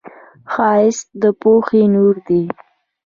ښایست د پوهې نور دی